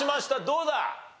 どうだ？